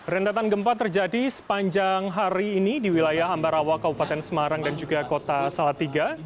rendatan gempa terjadi sepanjang hari ini di wilayah ambarawa kabupaten semarang dan juga kota salatiga